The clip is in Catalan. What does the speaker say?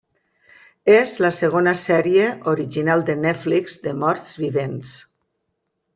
És la segona sèrie original de Netflix de morts vivents.